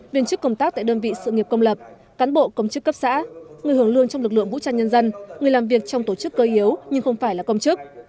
viên chức công tác tại đơn vị sự nghiệp công lập cán bộ công chức cấp xã người hưởng lương trong lực lượng vũ trang nhân dân người làm việc trong tổ chức cơ yếu nhưng không phải là công chức